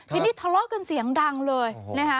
ทีนี้ทะเลาะกันเสียงดังเลยนะคะ